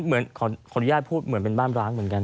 เหมือนขออนุญาตพูดเหมือนเป็นบ้านร้างเหมือนกัน